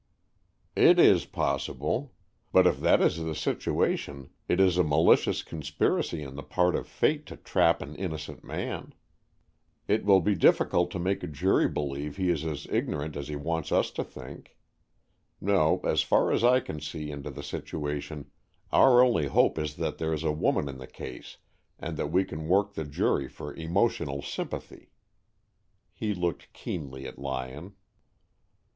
"It is possible, but if that is the situation, it is a malicious conspiracy on the part of fate to trap an innocent man. It will be difficult to make a jury believe he is as ignorant as he wants us to think. No, as far as I can see into the situation, our only hope is that there is a woman in the case and that we can work the jury for emotional sympathy." He looked keenly at Lyon.